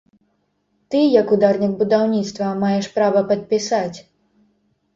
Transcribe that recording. Ты, як ударнік будаўніцтва, маеш права падпісаць.